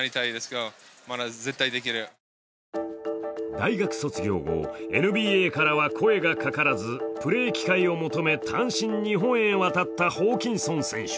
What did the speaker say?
大学卒業後、ＮＢＡからは声がかからずプレー機会を求め、単身日本へ渡ったホーキンソン選手。